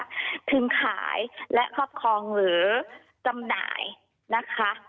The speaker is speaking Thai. ถึงขายและครอบครองหรือจำหน่ายนะคะ